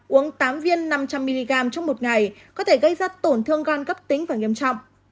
uống tám viên năm trăm linh mg trong một ngày có thể gây ra tổn thương gan cấp tính và nghiêm trọng